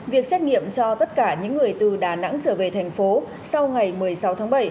việc xét nghiệm cho tất cả những người từ đà nẵng trở về thành phố sau ngày một mươi sáu tháng bảy